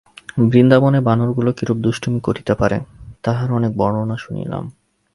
বৃন্দাবনে বানরগুলা কিরূপ দুষ্টামি করিতে পারে, তাহার অনেক বর্ণনা শুনিলাম।